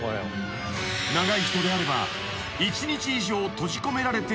［長い人であれば］